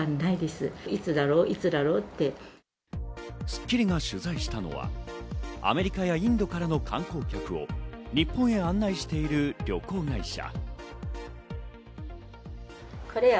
『スッキリ』が取材したのは、アメリカやインドからの観光客を日本へ案内している旅行会社。